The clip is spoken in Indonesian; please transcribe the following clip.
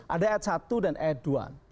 ada ayat satu dan ayat dua